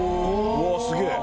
うわっすげえ！